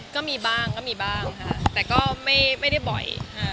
ก็มีบ้างค่ะแต่ก็ไม่ได้บ่อย